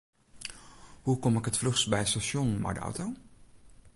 Hoe kom ik it fluchst by it stasjon mei de auto?